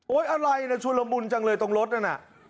โอ๊ยอะไรนะชัวร์ละมุนจังเลยตรงรถนั้น